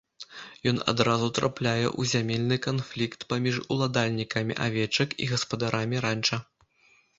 Ён адразу трапляе ў зямельны канфлікт паміж уладальнікамі авечак і гаспадарамі ранча.